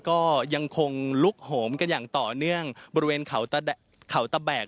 ก็ยังคงลุกโหมกันอย่างต่อเนื่องบริเวณเขาตะแบก